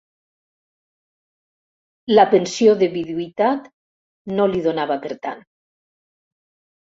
La pensió de viduïtat no li donava per tant.